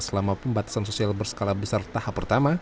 selama pembatasan sosial berskala besar tahap pertama